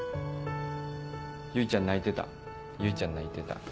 結ちゃん泣いてた結ちゃん泣いてた。